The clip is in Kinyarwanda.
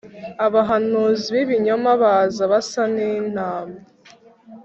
Abahanuzi b'ibinyoma baza basa n'intama.